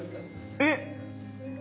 えっ？